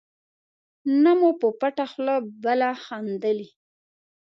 نه مو په پټه خوله بله خندلي.